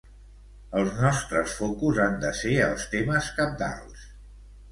El nostre focus han de ser els temes cabdals.